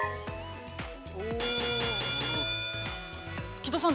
◆木戸さん